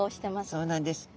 そうなんです。